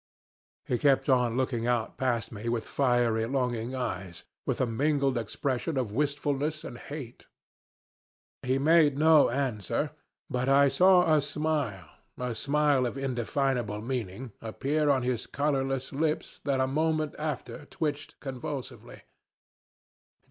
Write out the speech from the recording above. "He kept on looking out past me with fiery, longing eyes, with a mingled expression of wistfulness and hate. He made no answer, but I saw a smile, a smile of indefinable meaning, appear on his colorless lips that a moment after twitched convulsively.